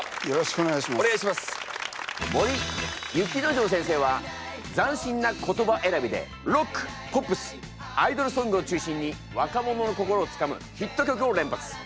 森雪之丞先生は斬新な言葉選びでロックポップスアイドルソングを中心に若者の心をつかむヒット曲を連発。